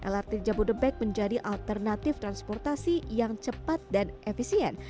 lrt jabodebek menjadi alternatif transportasi yang cepat dan efisien